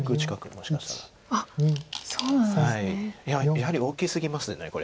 やはり大きすぎますこれ。